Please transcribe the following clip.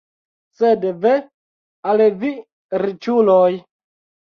Sed ve al vi riĉuloj!